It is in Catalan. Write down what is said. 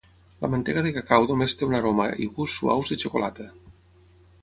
La mantega de cacau només té una aroma i gust suaus de xocolata.